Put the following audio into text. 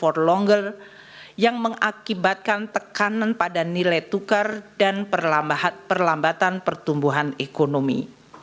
atau higher for longer yang mengakibatkan tekanan pada nilai tukar dan perlambatan pertumbuhan ekonomi